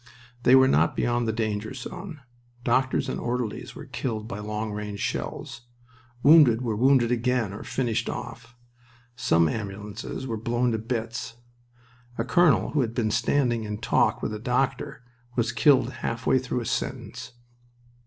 They were not beyond the danger zone. Doctors and orderlies were killed by long range shells. Wounded were wounded again or finished off. Some ambulances were blown to bits. A colonel who had been standing in talk with a doctor was killed halfway through a sentence.